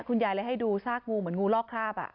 คุณยายเลยให้ดูซากงูเหมือนงูลอกคราบ